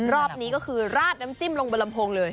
รอบนี้ก็คือราดน้ำจิ้มลงบนลำโพงเลย